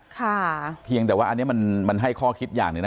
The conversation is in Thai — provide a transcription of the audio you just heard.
เพียงแต่ว่าอันนี้มันให้ข้อคิดอย่างหนึ่งนะ